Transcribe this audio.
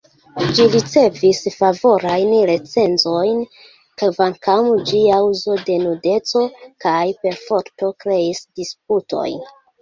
Ĝi ricevis favorajn recenzojn, kvankam ĝia uzo de nudeco kaj perforto kreis disputojn.